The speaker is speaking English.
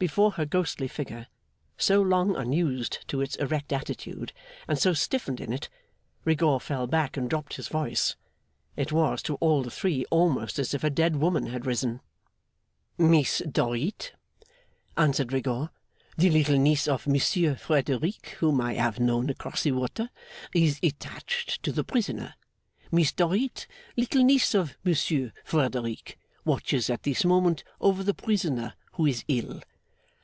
Before her ghostly figure, so long unused to its erect attitude, and so stiffened in it, Rigaud fell back and dropped his voice. It was, to all the three, almost as if a dead woman had risen. 'Miss Dorrit,' answered Rigaud, 'the little niece of Monsieur Frederick, whom I have known across the water, is attached to the prisoner. Miss Dorrit, little niece of Monsieur Frederick, watches at this moment over the prisoner, who is ill.